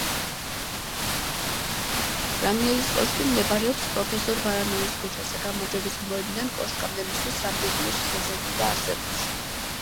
ვრანგელის კოშკი მდებარეობს პროფესორ ბარანოვის ქუჩაზე, გამარჯვების მოედნიდან კოშკამდე მისვლის რამდენიმე შესაძლებლობა არსებობს.